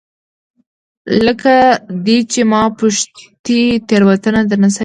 لکه دی چې ما پوښتي، تیروتنه درنه شوې؟